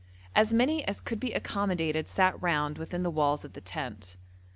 As many as could be accommodated sat round within the walls of the tent.